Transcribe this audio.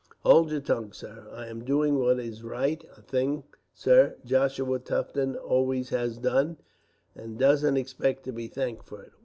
"Hold your tongue, sir. I am doing what is right; a thing, sir, Joshua Tufton always has done, and doesn't expect to be thanked for it.